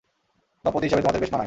দম্পতি হিসাবে তোমাদের বেশ মানায়।